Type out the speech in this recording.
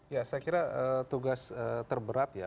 ya saya kira tugas terberat ya